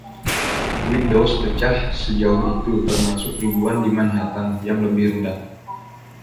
Windows pecah sejauh itu, termasuk ribuan di Manhattan yang lebih rendah.